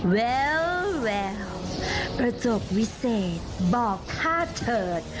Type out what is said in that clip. เวลล์ประจกวิเศษบอกข้าเถิด